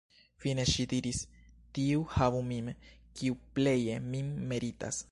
Fine ŝi diris: "Tiu havu min, kiu pleje min meritas".